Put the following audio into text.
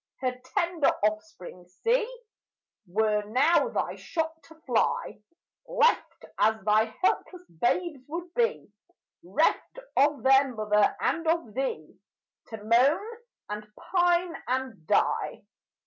Her tender offspring see, Were now thy shot to fly, Left, as thy helpless babes would be, 'Reft of their mother and of thee, To moan, and pine, and die.